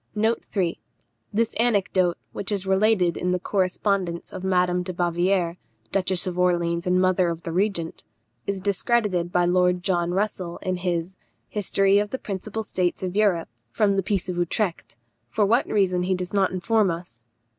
This anecdote, which is related in the correspondence of Madame de Bavière, Duchess of Orleans and mother of the Regent, is discredited by Lord John Russell in his History of the principal States of Europe from the Peace of Utrecht; for what reason he does not inform us.